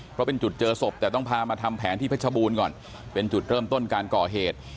เพราะเป็นจุดเจอศพแต่ต้องพามาทำแผนที่เพชรบูรณ์ก่อนเป็นจุดเริ่มต้นการก่อเหตุ